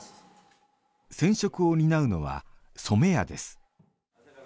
染色を担うのは染屋です。